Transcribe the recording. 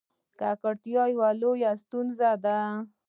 ککړتیا یوه لویه ستونزه ده.